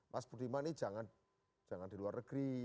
mas budima nih jangan di luar negeri